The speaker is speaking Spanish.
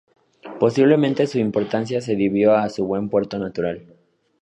Posiblemente su importancia se debió a su buen puerto natural.